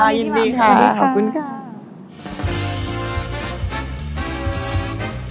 ยินดีค่ะขอบคุณค่ะ